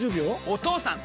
お義父さん！